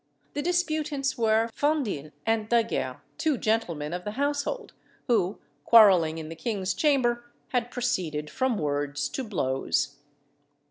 The disputants were Fendille and D'Aguerre, two gentlemen of the household, who, quarrelling in the king's chamber, had proceeded from words to blows.